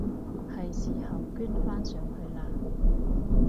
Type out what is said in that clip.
係時候捐返上去喇！